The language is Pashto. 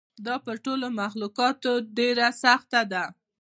دا په ټولو مخلوقاتو ده ډېره سخته ده.